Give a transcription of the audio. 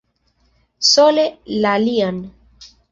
Sole la lian.